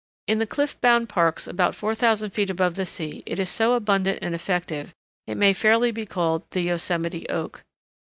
In the cliff bound parks about 4000 feet above the sea it is so abundant and effective it might fairly be called the Yosemite Oak.